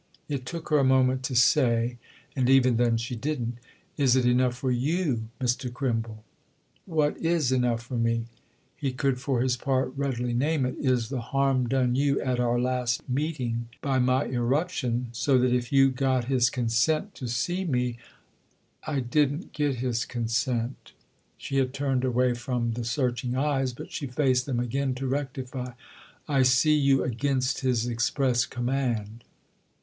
It took her a moment to say, and even then she didn't. "Is it enough for you, Mr. Crimble?" "What is enough for me"—he could for his part readily name it—"is the harm done you at our last meeting by my irruption; so that if you got his consent to see me——!" "I didn't get his consent!"—she had turned away from the searching eyes, but she faced them again to rectify: "I see you against his express command."